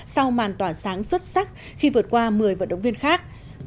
sau màn tỏa sáng xuất sắc khi vượt qua một mươi vận động viên khác